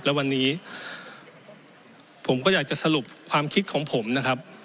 และวันนี้ผมก็อยากจะสรุปความคิดของผมนะครับ